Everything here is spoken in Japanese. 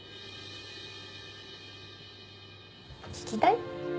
聞きたい？